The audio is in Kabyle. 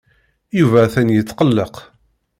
Yuba atan yetqelleq.